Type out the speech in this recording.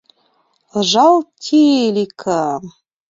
— Жал Тииликым!